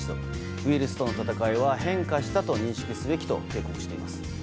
ウイルスとの闘いは変化したと認識すべきとしています。